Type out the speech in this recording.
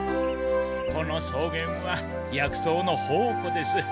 この草原は薬草の宝庫です。